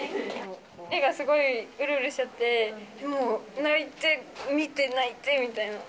目がすごいうるうるしちゃって、もう泣いて、見て、泣いてみたいな。